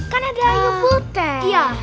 kan ada ayu putri